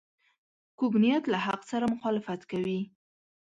کوږ نیت له حق سره مخالفت کوي